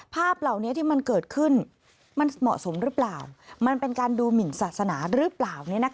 ภาพเหล่านี้ที่มันเกิดขึ้นมันเหมาะสมหรือเปล่ามันเป็นการดูหมินศาสนาหรือเปล่า